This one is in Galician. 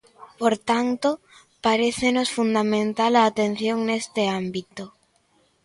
Por tanto, parécenos fundamental a atención neste ámbito.